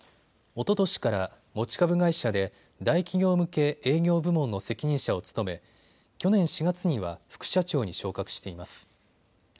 おととしから持ち株会社で大企業向け営業部門の責任者を務め去年４月には副社長に昇格しています。